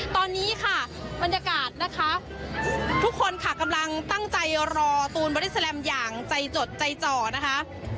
ตอนนี้ค่ะบรรยากาศนะคะทุกคนค่ะกำลังตั้งใจรอตูนบอดี้แลมอย่างใจจดใจจ่อนะคะ